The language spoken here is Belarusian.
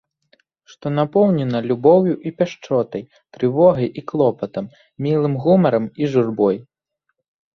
Што напоўнена любоўю і пяшчотай, трывогай і клопатам, мілым гумарам і журбой.